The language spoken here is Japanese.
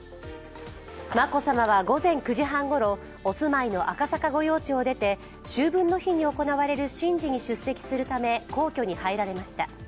眞子さまは午前９時半ごろ、お住まいの赤坂御用地を出て、秋分の日に行われる神事に出席するため、皇居に入られました。